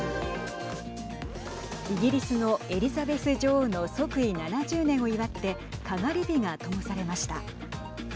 イギリスのエリザベス女王の即位７０年を祝ってかがり火がともされました。